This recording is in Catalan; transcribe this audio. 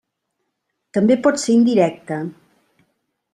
També pot ser indirecta.